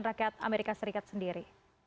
rakyat amerika serikat sendiri